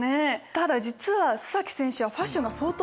ただ実は須選手は。